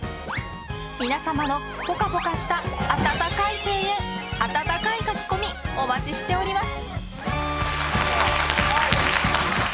皆様のぽかぽかした温かい声援、温かい書き込みお待ちしております。